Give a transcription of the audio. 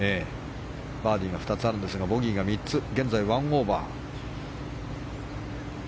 バーディーが２つあるんですがボギーが３つで現在１オーバー。